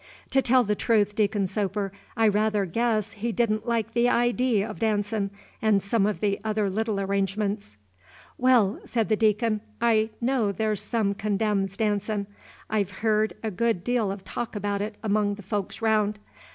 To tell the truth, Deacon Soper, I rather guess he don't like the idee of dancin', and some of the other little arrangements." "Well," said the Deacon, "I know there's some condemns dancin'. I've heerd a good deal of talk about it among the folks round.